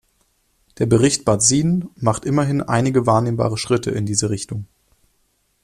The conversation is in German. Der Bericht Bazin macht immerhin einige wahrnehmbare Schritte in diese Richtung.